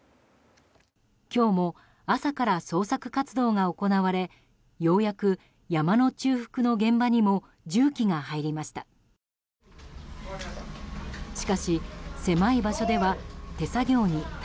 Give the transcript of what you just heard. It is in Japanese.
今日も朝から捜索活動が行われようやく山の中腹の現場にも重機が入りました。